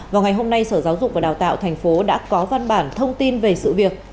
vào ngày hôm nay sở giáo dục và đào tạo thành phố đã có văn bản thông tin về sự việc